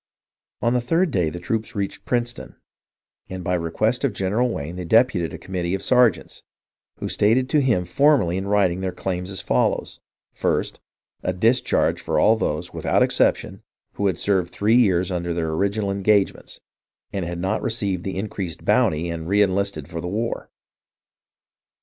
On the third day the troops reached Princeton, and by request of General Wayne they deputed a committee of sergeants, who stated to him formally in writing their claims, as follows : ist, A discharge for all those, without exception, who had served three years under their original engagements, and had not received the increased bounty and reenlisted for the war.